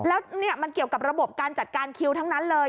แล้วนี่มันเกี่ยวกับระบบการจัดการคิวทั้งนั้นเลย